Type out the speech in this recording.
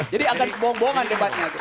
jadi agak kebohong bohongan debatnya